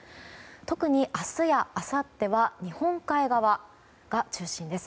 特に明日やあさっては日本海側が中心です。